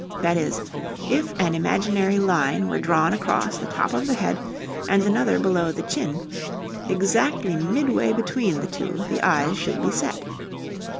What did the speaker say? That is, if an imaginary line were drawn across the top of the head and another below the chin, exactly midway between the two the eyes should be set.